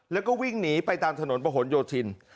แล้วก็วิ่งหนีไปตามถนนประหลโยธิน